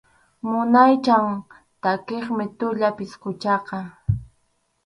Munaycha takiqmi tuya pisquchaqa.